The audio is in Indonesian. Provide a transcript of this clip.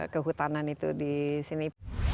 kehutanan itu di sini